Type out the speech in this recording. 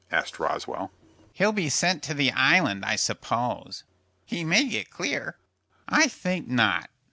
asked Roswell. "He'll be sent to the Island, I suppose." "He may get clear." "I think not.